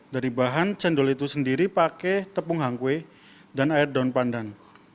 dari bahan cendol itu sendiri pakai tepung hangkwe dan air daun pandan